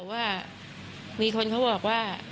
ว่ามีคนเขาบอกว่า